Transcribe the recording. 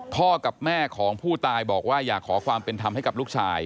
พ่อกับแม่ของผู้ตายบอกว่าอยากขอความเป็นธรรมให้กับลูกชาย